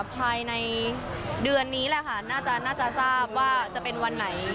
ภายในเดือนนี้แหละค่ะน่าจะทราบว่าจะเป็นวันไหน